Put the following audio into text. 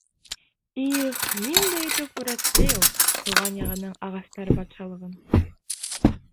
Их, ниндәй итеп һүрәтләй ул тыуған яғының «ағастар батшалығын»!